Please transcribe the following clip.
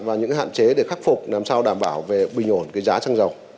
và những hạn chế để khắc phục làm sao đảm bảo về bình ổn cái giá xăng dầu